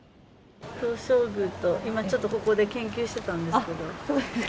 東照宮と、今、ちょっとここで研究してたんですけど。